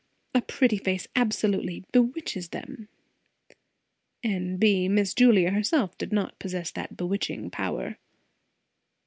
A pretty face absolutely bewitches them." N. B. Miss Julia herself did not possess that bewitching power.